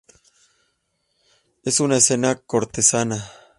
Es una escena cortesana.